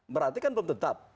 berarti kan belum tetap